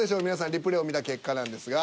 リプレイを見た結果なんですが。